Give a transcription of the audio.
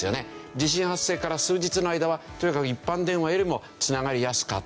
地震発生から数日の間はとにかく一般電話よりもつながりやすかった。